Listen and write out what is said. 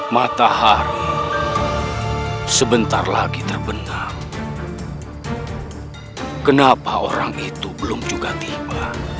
matahari sebentar lagi terbenam kenapa orang itu belum juga tiba